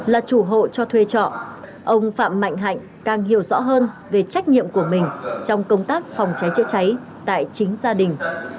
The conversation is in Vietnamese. là chủ hộ cho thuê trọ ông phạm mạnh hạnh càng hiểu rõ hơn về trách nhiệm của mình trong công tác phòng cháy chữa cháy tại chính gia đình